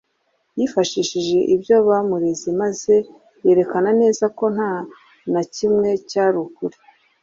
Yifashishije ibyo bamureze maze yerekana neza ko nta na kimwe cyari ukuri.